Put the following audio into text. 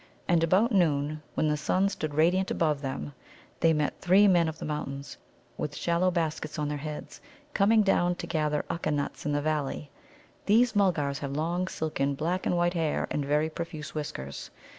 And about noon, when the sun stood radiant above them, they met three Men of the Mountains, with shallow baskets on their heads, coming down to gather Ukka nuts in the valley. These Mulgars have long silken, black and white hair and very profuse whiskers.